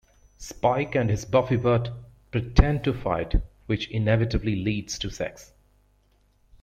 Spike and his Buffybot pretend to fight, which inevitably leads to sex.